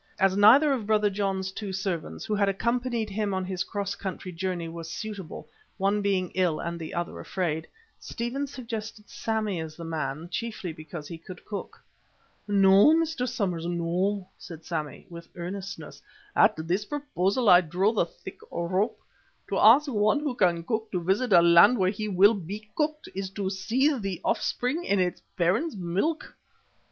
As neither of Brother John's two servants, who had accompanied him on his cross country journey, was suitable, one being ill and the other afraid, Stephen suggested Sammy as the man, chiefly because he could cook. "No, Mr. Somers, no," said Sammy, with earnestness. "At this proposal I draw the thick rope. To ask one who can cook to visit a land where he will be cooked, is to seethe the offspring in its parent's milk."